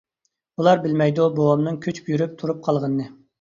ئۇلار بىلمەيدۇ بوۋامنىڭ كۆچۈپ يۈرۈپ تۇرۇپ قالغىنىنى.